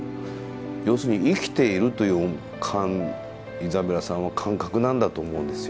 要するに生きているというイザベルさんは感覚なんだと思うんですよ。